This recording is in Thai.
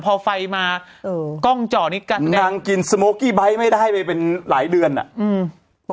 พอไฟมาเออกล้องจอนี้นางกินไม่ได้ไปเป็นหลายเดือนอ่ะอืม